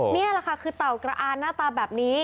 นี่แหละค่ะคือเต่ากระอานหน้าตาแบบนี้